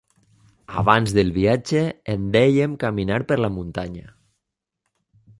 Abans del viatge en dèiem caminar per la muntanya.